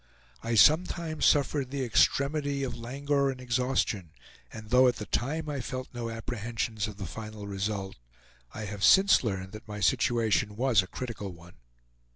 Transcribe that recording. I sometimes suffered the extremity of languor and exhaustion, and though at the time I felt no apprehensions of the final result, I have since learned that my situation was a critical one.